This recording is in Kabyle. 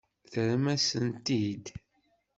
Terram-as-tent-id?